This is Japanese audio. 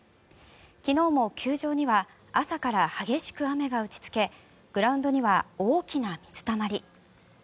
昨日も球場には朝から激しく雨が打ちつけグラウンドには大きな水たまり。